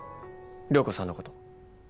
涼子さんのこと。